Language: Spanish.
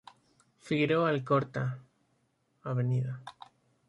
Figueroa Alcorta, Av Pueyrredon, Av.